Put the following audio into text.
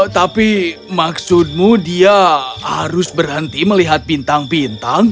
tapi maksudmu dia harus berhenti melihat bintang bintang